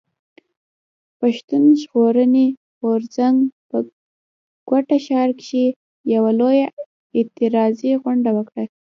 پښتون ژغورني غورځنګ په کوټه ښار کښي يوه لويه اعتراضي غونډه وکړه.